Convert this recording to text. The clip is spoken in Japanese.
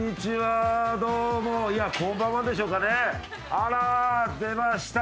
あら出ました